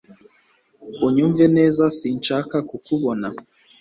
unyumve neza sinshaka kuku bona